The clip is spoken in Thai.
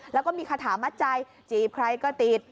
แล้วก็มีคาถามัดใจจีบใครก็ติด